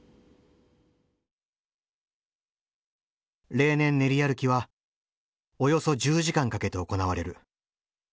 例年練り歩きはおよそ１０時間かけて行われる。